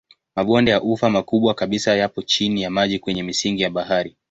Mabonde ya ufa makubwa kabisa yapo chini ya maji kwenye misingi ya bahari.